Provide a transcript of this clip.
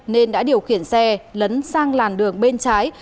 nên đã điều khiển xe lấn sang làn đường bên trái